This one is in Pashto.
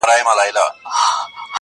له مايې ما اخله~